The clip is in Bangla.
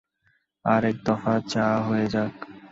আরেক দফা চা হয়ে যাক।